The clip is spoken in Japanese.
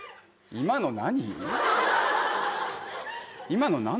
今の何？